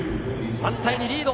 ３対２、リード。